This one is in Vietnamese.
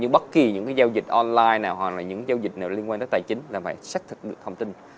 bất kỳ những giao dịch online nào hoặc là những giao dịch nào liên quan tới tài chính là phải xác thực được thông tin